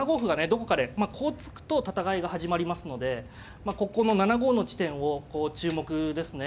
どこかでまあこう突くと戦いが始まりますのでここの７五の地点を注目ですね。